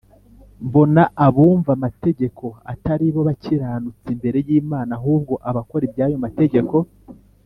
Mbona abumva amategeko atari bo bakiranutsi imbere y’Imana ahubwo abakora iby’ayo mategeko